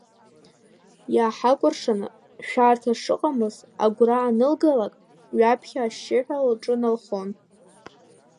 Иааҳакәыршаны шәарҭа шыҟамыз агәра анылгалак, ҩаԥхьа ашьшьыҳәа лҿы-налхон.